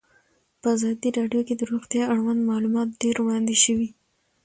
په ازادي راډیو کې د روغتیا اړوند معلومات ډېر وړاندې شوي.